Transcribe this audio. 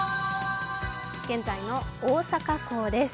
現在の大阪港です。